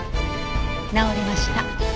直りました。